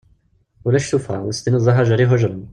Ulac tuffɣa ad as-tiniḍ d ahajer ihujren.